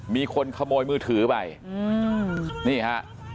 มีคนขโมยมือถือไปนี่ฮะ